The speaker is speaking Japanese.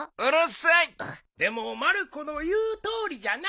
でもまる子の言うとおりじゃなあ。